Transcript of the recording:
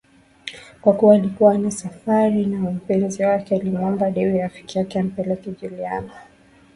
Kwa kuwa alikuwa ana safari na mpenzi wake alimuomba Debby Rafiki yake ampeleke Juliana